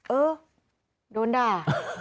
เออโดนด่า